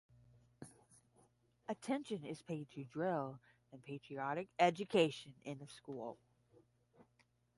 Attention is paid to drill and patriotic education in the school.